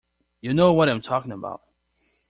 You know what I'm talking about.